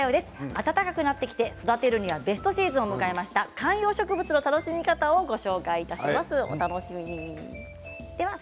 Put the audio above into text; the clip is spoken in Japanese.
暖かくなってきて育てるのにはベストシーズンを迎えました観葉植物の楽しみ方をお送りします。